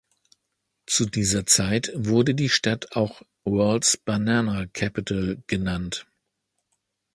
Zu dieser Zeit wurde die Stadt auch "World’s Banana Capital" genannt.